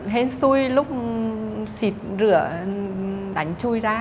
hên xui lúc xịt rửa đánh chui ra